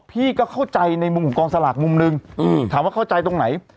พี่ก็เข้าใจในมุมของกองสลากมุมหนึ่งถามว่าเข้าใจตรงไหน